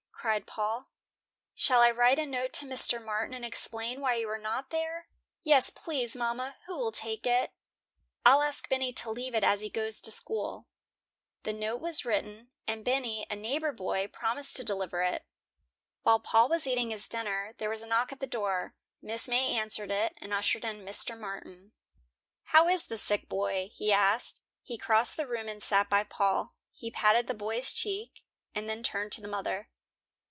cried Paul. "Shall I write a note to Mr. Martin and explain why you are not there?" "Yes, please, mama. Who will take it?" "I'll ask Bennie to leave it as he goes to school." The note was written, and Bennie, a neighbor boy, promised to deliver it. While Paul was eating his dinner, there was a knock at the door. Mrs. May answered it, and ushered in Mr. Martin. "How is the sick boy?" he asked. He crossed the room and sat by Paul. He patted the boy's cheek, and then turned to the mother.